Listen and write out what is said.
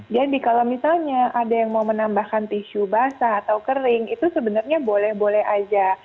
jadi kalau misalnya ada yang mau menambahkan tisu basah atau kering itu sebenarnya boleh boleh aja